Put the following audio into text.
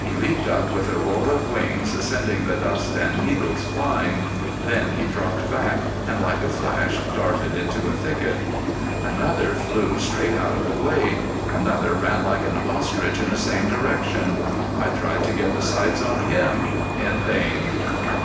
He leaped up with a roar of wings, sending the dust and needles flying. Then he dropped back, and like a flash darted into a thicket. Another flew straight out of the glade. Another ran like an ostrich in the same direction. I tried to get the sights on him. In vain!